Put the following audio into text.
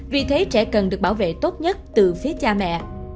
vì thế trẻ cần được bảo vệ tốt nhất từ phía cha mẹ